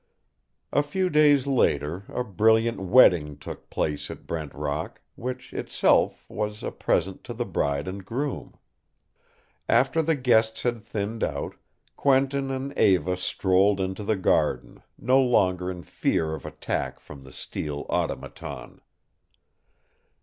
A few days later a brilliant wedding took place at Brent Rock, which itself was a present to the bride and groom. After the guests had thinned out, Quentin and Eva strolled into the garden, no longer in fear of attack from the steel Automaton.